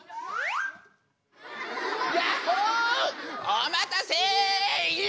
お待たせ！